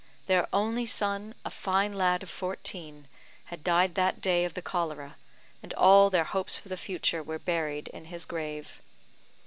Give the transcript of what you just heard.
Their only son, a fine lad of fourteen, had died that day of the cholera, and all their hopes for the future were buried in his grave.